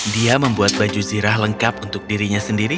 dia membuat baju zirah lengkap untuk dirinya sendiri